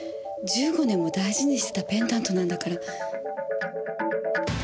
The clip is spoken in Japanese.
１５年も大事にしてたペンダントなんだから。